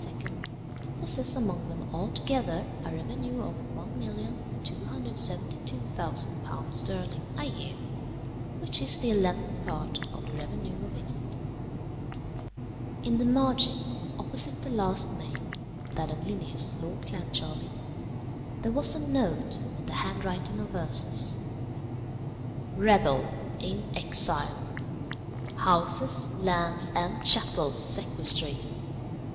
possess among them altogether a revenue of £1,272,000 sterling a year, which is the eleventh part of the revenue of England." In the margin, opposite the last name (that of Linnæus, Lord Clancharlie), there was a note in the handwriting of Ursus: _Rebel; in exile; houses, lands, and chattels sequestrated.